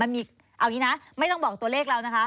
มีเอาอย่างนี้นะไม่ต้องบอกตัวเลขเรานะคะ